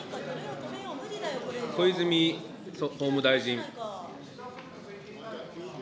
小泉法務大臣。